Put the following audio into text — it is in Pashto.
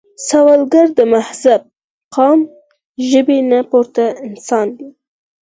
سوالګر د مذهب، قام، ژبې نه پورته انسان دی